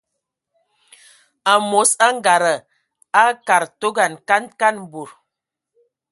Amos angada akad togan kan kan bod.